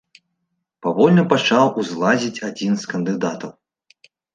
Павольна пачаў узлазіць адзін з кандыдатаў.